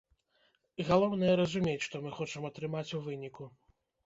Галоўнае разумець, што мы хочам атрымаць у выніку.